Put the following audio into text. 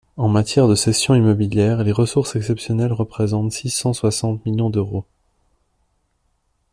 En matière de cession immobilière, les ressources exceptionnelles représentent six cent soixante millions d’euros.